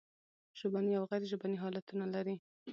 ژبني او غیر ژبني حالتونه لري.